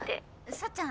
幸ちゃん